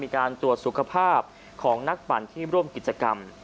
การตรวจสุขภาพของนักปั่นที่ร่วมกิจกรรม